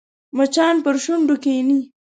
مچان پر شونډو کښېني